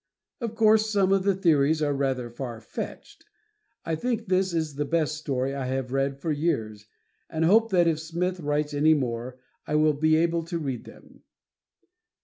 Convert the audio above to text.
Of course, some of the theories are rather far fetched. I think this is the best story I have read for years, and hope that if Smith writes any more, I will be able to read them.